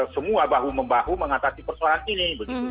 semua bahu membahu mengatasi persoalan ini